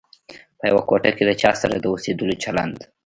په یوه کوټه کې چا سره د اوسېدلو چلند.